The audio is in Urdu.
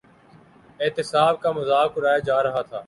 احتساب کا مذاق اڑایا جا رہا تھا۔